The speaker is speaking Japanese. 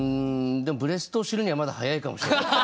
でもブレストを知るにはまだ早いかもしれない。